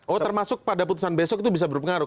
oh termasuk pada putusan besok itu bisa berpengaruh